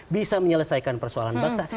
bisa menyelesaikan persoalan bangsa